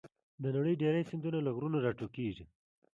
د نړۍ ډېری سیندونه له غرونو راټوکېږي.